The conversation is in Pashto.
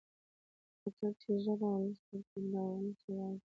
ځکه چي ژبه ولس جوړه کړې ده او ولس يې وايي.